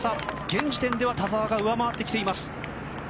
現時点では田澤が上回ってきています。